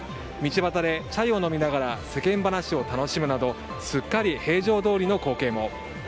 道端でチャイを飲みながら世間話を楽しむなどすっかり平常どおりの光景も。